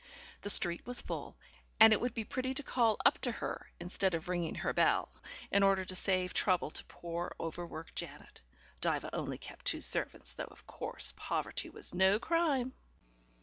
The street was full, and it would be pretty to call up to her, instead of ringing her bell, in order to save trouble to poor overworked Janet. (Diva only kept two servants, though of course poverty was no crime.)